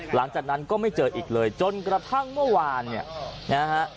หลังจากนั้นก็ไม่เจออีกเลยจนกระทั่งเมื่อวานเนี่ยนะฮะ